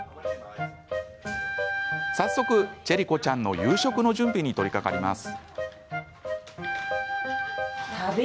早速、チェリ子ちゃんの夕食の準備に取りかかります。